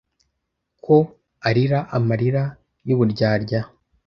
ko arira amarira y uburyarya